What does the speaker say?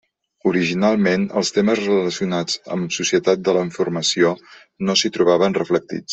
Originalment, els temes relacionats amb Societat de la Informació no s'hi trobaven reflectits.